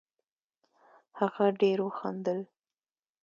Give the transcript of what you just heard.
هغه ډېر وخندل